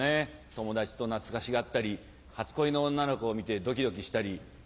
友達と懐かしがったり初恋の女の子を見てドキドキしたり。